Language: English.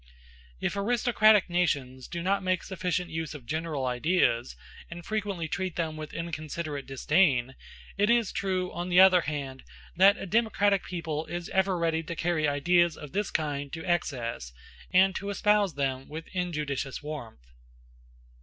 If aristocratic nations do not make sufficient use of general ideas, and frequently treat them with inconsiderate disdain, it is true, on the other hand, that a democratic people is ever ready to carry ideas of this kind to excess, and to espouse the with injudicious warmth.